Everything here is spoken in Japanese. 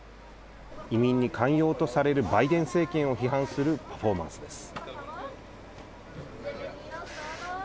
移民に寛容とされるバイデン政権を批判するパフォーマンスです。